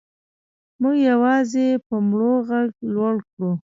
موږ یوازې په مړو غږ لوړ کړو.